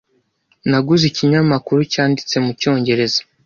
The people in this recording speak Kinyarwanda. Naguze ikinyamakuru cyanditse mucyongereza.